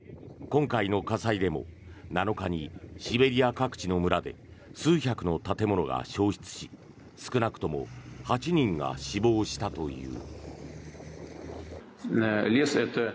今回の火災でも７日にシベリア各地の村で数百の建物が焼失し少なくとも８人が死亡したという。